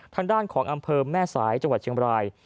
ทางด้านของอำเภอแม่สายจังหวัดเชียงบราย